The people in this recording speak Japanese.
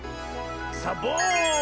サボーン！